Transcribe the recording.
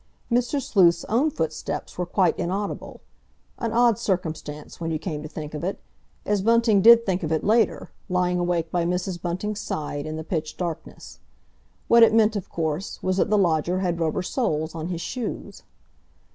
Mr. Sleuth's own footsteps were quite inaudible—an odd circumstance, when you came to think of it—as Bunting did think of it later, lying awake by Mrs. Bunting's side in the pitch darkness. What it meant of course, was that the lodger had rubber soles on his shoes.